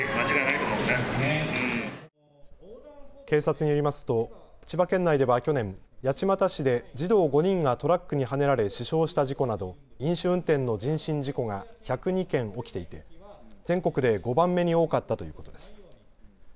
警察によりますと千葉県内では去年、八街市で児童５人がトラックにはねられ死傷した事故など飲酒運転の人身事故が１０２件、起きていて全国で５番目に多かったということです。